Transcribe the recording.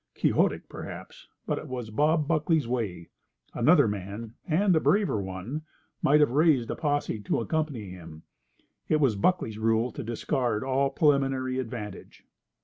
Quixotic, perhaps, but it was Bob Buckley's way. Another man—and a braver one—might have raised a posse to accompany him. It was Buckley's rule to discard all preliminary advantage.